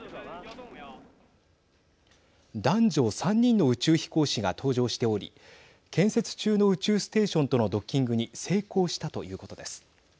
男女３人の宇宙飛行士が搭乗しており建設中の宇宙ステーションとのドッキングに成功したということです。